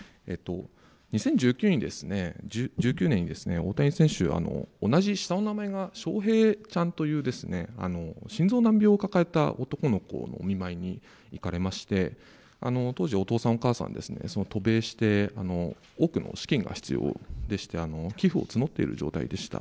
２０１９年に大谷選手、同じ下の名前がしょうへいちゃんという心臓の難病を抱えた男の子の見舞いに行かれまして、当時お父さんお母さんは渡米して、多くの資金が必要でして、寄付を募っている状態でした。